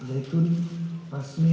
pak zaitun pasmi